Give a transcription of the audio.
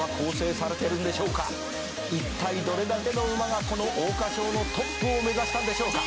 「いったいどれだけの馬がこの桜花賞のトップを目指したんでしょうか」